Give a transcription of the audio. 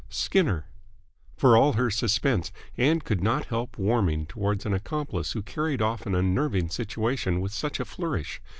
Skinner." For all her suspense, Ann could not help warming towards an accomplice who carried off an unnerving situation with such a flourish.